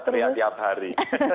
kita teriak tiap hari